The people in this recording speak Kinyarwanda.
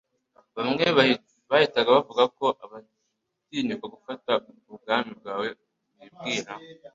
Bamwe bahitaga bavuga ko adatinyuka gufata ubwami bwe bibwira,